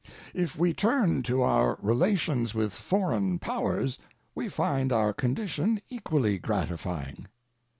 If we turn to our relations with foreign powers, we find our condition equally gratifying.